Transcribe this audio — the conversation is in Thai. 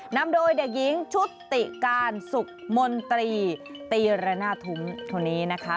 นำโดยเด็กหญิงชุติการสุขมนตรีตีระนาทุ้งคนนี้นะคะ